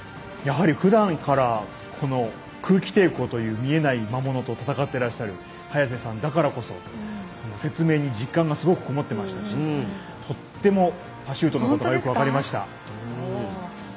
やはり、ふだんから空気抵抗という見えない魔物と戦ってらっしゃる早瀬さんだからこそ説明に実感がすごくこもってましたしとっても、パシュートのことがよく分かりました。